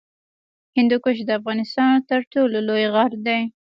هندوکش د افغانستان تر ټولو لوی غر دی